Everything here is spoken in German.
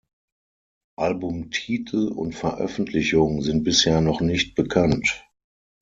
Albumtitel und Veröffentlichung sind bisher noch nicht bekannt.